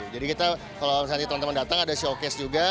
jadi kita kalau nanti teman teman datang ada showcase juga